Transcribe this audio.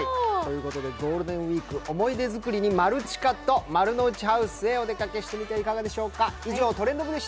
ゴールデンウイーク思い出作りにマルチカと丸の内ハウスにお出かけしてみてはいかがでしょうか。